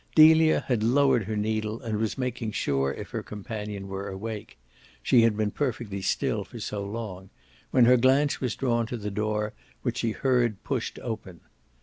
Delia had lowered her needle and was making sure if her companion were awake she had been perfectly still for so long when her glance was drawn to the door, which she heard pushed open.